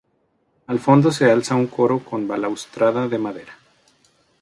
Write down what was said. Al fondo se alza un coro con balaustrada de madera.